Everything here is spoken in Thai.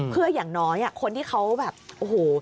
เพื่ออย่างน้อยคนที่เขาแบบโอ้โห